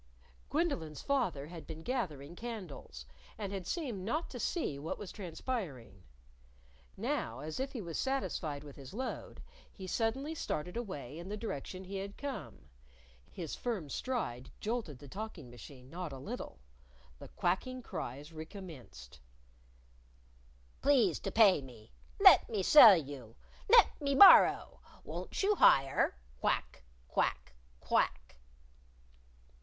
Gwendolyn's father had been gathering candles, and had seemed not to see what was transpiring. Now as if he was satisfied with his load, he suddenly started away in the direction he had come. His firm stride jolted the talking machine not a little. The quacking cries recommenced "Please to pay me.... Let me sell you...! Let me borrow...! Won't you hire...! _Quack! Quack! Quack!